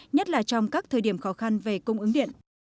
nhất là trong các thời điểm khó khăn về cung ứng điện